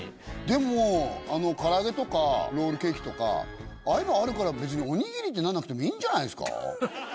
でもから揚げとかロールケーキとかああいうのがあるから別に「おにぎり」ってなんなくてもいいんじゃないですか？